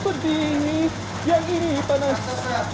seperti ini yang ini panas